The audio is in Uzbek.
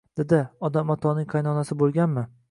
- Dada, Odam Atoning qaynonasi bo'lganmi?